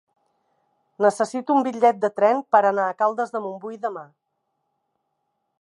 Necessito un bitllet de tren per anar a Caldes de Montbui demà.